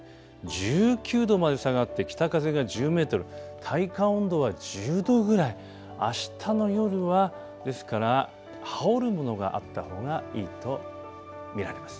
１９度まで下がって北風が１０メートル、体感温度は１０度ぐらい、あしたの夜は、ですから羽織るものがあったほうがいいと見られます。